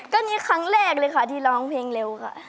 ก็นี่ครั้งแรกเลยค่ะที่ร้องเพลงเร็วค่ะ